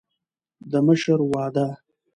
د مشر وعده